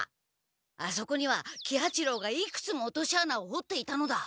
あそこには喜八郎がいくつも落とし穴をほっていたのだ。